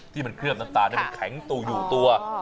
ที่มันเคลื่อนอันตารจะแข็งถูกอยู่ตัว